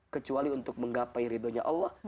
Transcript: kecuali untuk menggapai ridhonya allah